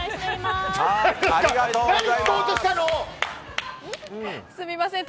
すみません